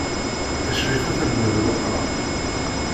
Crifa telmed Leqran.